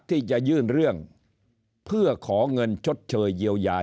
ที่จะยื่นเรื่องเพื่อขอเงินชดเชยเยียวยา